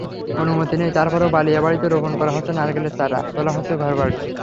অনুমতি নেই, তারপরও বালিয়াড়িতে রোপণ করা হচ্ছে নারকেলগাছের চারা, তোলা হচ্ছে ঘরবাড়ি।